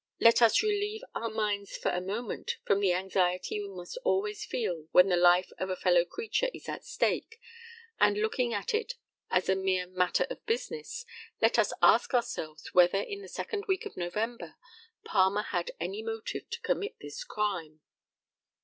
Let us relieve our minds for a moment from the anxiety we must always feel when the life of a fellow creature is at stake, and, looking at it as a mere matter of business, let us ask ourselves whether in the second week of November Palmer had any motive to commit this crime.